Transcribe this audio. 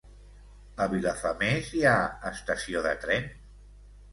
A Vilafamés hi ha estació de tren?